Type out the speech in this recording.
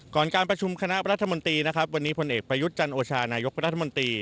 ก่อนการประชุมคณะพระราธมนตรีนะครับวันนี้พลเอกพระยุทธจันโวชานายกพระราธมนตรี